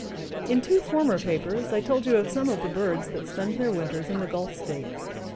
In two former papers I told you of some of the birds that spend their winters in the Gulf States.